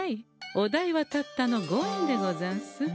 お代はたったの５円でござんす。